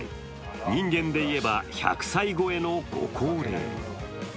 人間でいえば１００歳超えのご高齢。